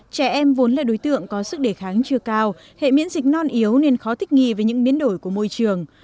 trẻ em vốn là đối tượng có sức đề kháng chưa cao hệ miễn dịch non yếu nên khó thích nghi với những biến đổi của môi trường